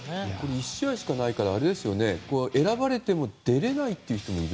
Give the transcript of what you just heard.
１試合しかないから選ばれても出られない人も。